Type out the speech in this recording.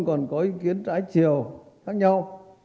còn có ý kiến trái chiều khác nhau